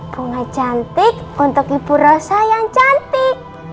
bunga cantik untuk ibu rasa yang cantik